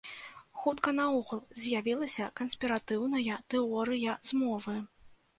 Хутка наогул з'явілася канспіратыўная тэорыя змовы.